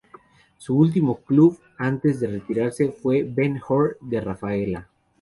Su último club antes de retirarse fue Ben Hur de Rafaela.